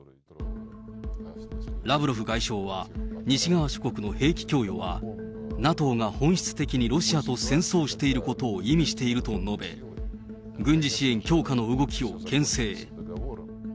ラブロフ外相は、西側諸国の兵器供与は、ＮＡＴＯが本質的にロシアと戦争していることを意味していると述べ、軍事支援強化の動きをけん制。